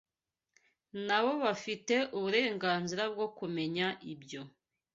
Na bo bafite uburenganzira bwo kumenya ibyo